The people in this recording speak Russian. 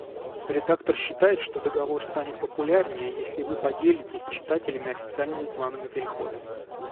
Редактор считает, что договор станет популярнее, если вы поделитесь с читателями официальными планами перехода.